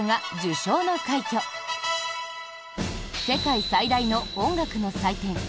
世界最大の音楽の祭典